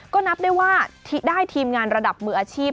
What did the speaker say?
ก็นับได้ว่าได้ทีมงานระดับมืออาชีพ